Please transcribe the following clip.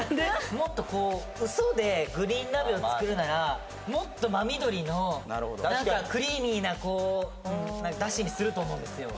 もっとこうウソでグリーン鍋を作るならもっと真緑のなるほど何かクリーミーな出汁にすると思うんですよ